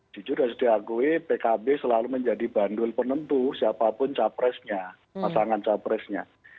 jujur harus diakui pkb selalu menjadi bandul penentu siapapun capresnya pasangan capresnya